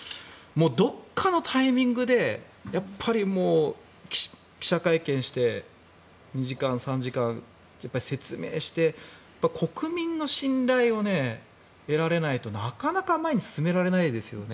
もうどこかのタイミングで記者会見して２時間、３時間説明して国民の信頼を得られないとなかなか前に進められないですよね。